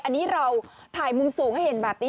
อันนี้เราถ่ายมุมสูงให้เห็นแบบนี้